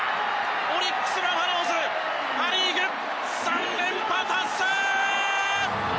オリックス・バファローズパ・リーグ３連覇達成！